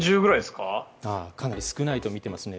かなり少ないとみていますね。